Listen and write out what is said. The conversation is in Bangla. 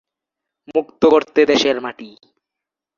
মুক্ত করতে দেশের মাটি